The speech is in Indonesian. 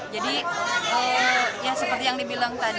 jadi ya seperti yang dibilang tadi